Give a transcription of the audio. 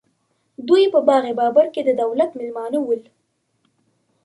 دوی په باغ بابر کې د دولت مېلمانه ول.